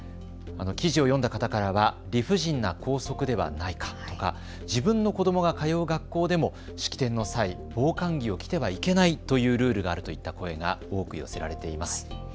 記事を読んだ方からは理不尽な校則ではないかとか自分の子どもが通う学校でも式典の際、防寒着を着てはいけないというルールがあるといった声が多く寄せられています。